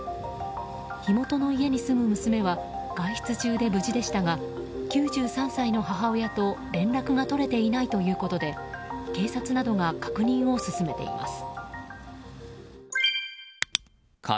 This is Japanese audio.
火元の家に住む娘は外出中で無事でしたが９３歳の母親と連絡が取れていないということで警察などが確認を進めています。